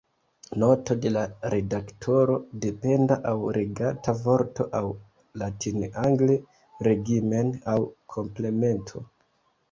Noto de la redaktoro: Dependa aŭ regata vorto aŭ latin-angle regimen aŭ komplemento.